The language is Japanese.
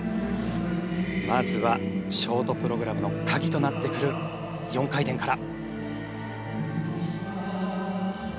まずはショートプログラムの鍵となってくる４回転から。